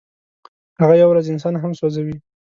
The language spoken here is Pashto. هغه یوه ورځ انسان هم سوځوي.